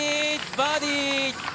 バーディー。